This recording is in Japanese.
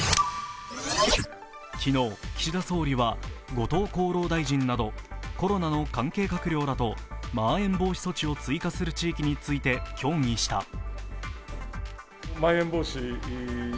昨日、岸田総理は後藤厚労大臣などコロナの関係閣僚らとまん延防止措置を追加する地域について協議した。